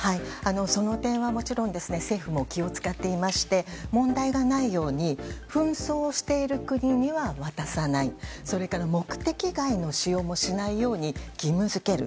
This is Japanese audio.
その点はもちろん政府も気を使っていまして問題がないように紛争している国には渡さないそれから目的外の使用もしないように義務付ける。